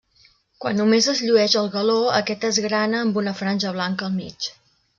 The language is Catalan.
Quan només es llueix el galó, aquest és grana amb una franja blanca al mig.